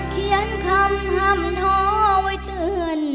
เขียนคำห้ามท้อไว้เตือน